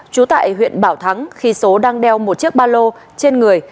trú tại huyện bảo thắng khi số đang đeo một chiếc ba lô trên người